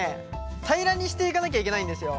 平らにしていかなきゃいけないんですよ。